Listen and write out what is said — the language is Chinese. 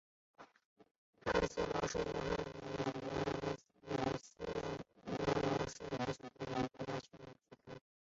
罗斯汗国是一个由罗斯人所建立的国家或城市集团。